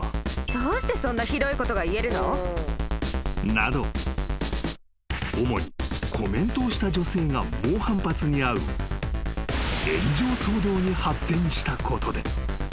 ［など主にコメントをした女性が猛反発に遭う炎上騒動に発展したことで］